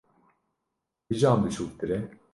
Kîjan biçûktir e?